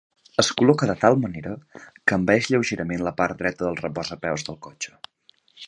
Es col·loca de tal manera que envaeix lleugerament la part dreta del reposapeus del cotxe.